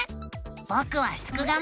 ぼくはすくがミ。